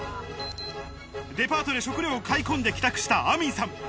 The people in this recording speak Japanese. デパートで食料を買い込んで帰宅した、アミンさん。